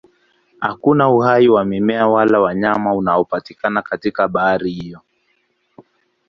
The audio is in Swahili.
Hakuna uhai wa mimea wala wanyama unaopatikana katika bahari hiyo.